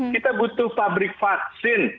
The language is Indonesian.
kita butuh pabrik vaksin